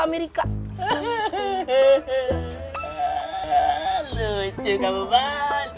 amerika lucu kamu banget